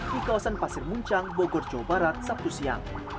di kawasan pasir muncang bogor jawa barat sabtu siang